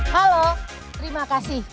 halo terima kasih